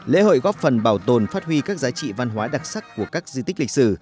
lễ hội góp phần bảo tồn phát huy các giá trị văn hóa đặc sắc của các di tích lịch sử